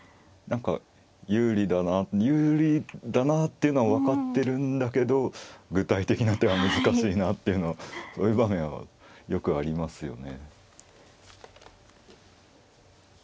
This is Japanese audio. なんか有利だな有利だなっていうのは分かってるんだけど具体的な手は難しいなっていうのそういう場面はよくありますよね。